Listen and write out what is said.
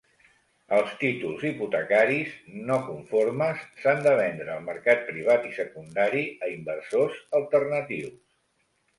Els títols hipotecaris "no conformes" s'han de vendre al mercat privat i secundari a inversors alternatius.